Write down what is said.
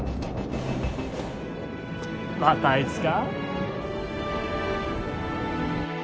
またあいつか？